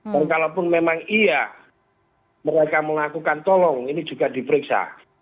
dan kalaupun memang iya mereka melakukan tolong ini juga diperiksa